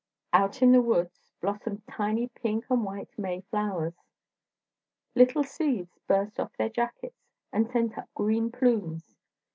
Out in the woods blossomed tiny pink and white May flowers. Little seeds burst off their jackets and sent up green plumes.